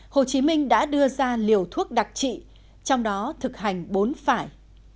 hồ chí minh đã đưa ra liều thuốc đặc trị trong đó thực hành bốn phải